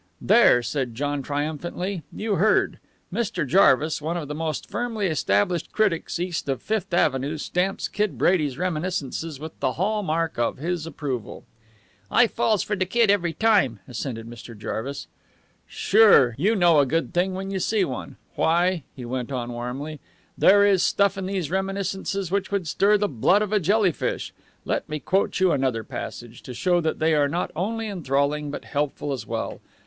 "There!" said John triumphantly. "You heard? Mr. Jarvis, one of the most firmly established critics east of Fifth Avenue stamps Kid Brady's reminiscences with the hall mark of his approval." "I falls fer de Kid every time," assented Mr. Jarvis. "Sure! You know a good thing when you see one. Why," he went on warmly, "there is stuff in these reminiscences which would stir the blood of a jellyfish. Let me quote you another passage, to show that they are not only enthralling, but helpful as well.